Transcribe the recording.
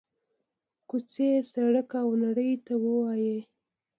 کوڅې، سړک او نړۍ ته ووايي: